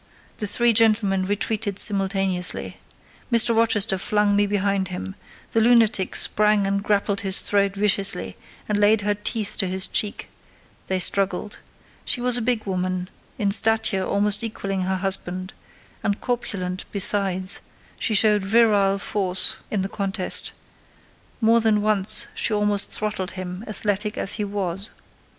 The three gentlemen retreated simultaneously. Mr. Rochester flung me behind him: the lunatic sprang and grappled his throat viciously, and laid her teeth to his cheek: they struggled. She was a big woman, in stature almost equalling her husband, and corpulent besides: she showed virile force in the contest—more than once she almost throttled him, athletic as he was.